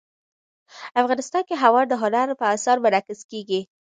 افغانستان کې هوا د هنر په اثار کې منعکس کېږي.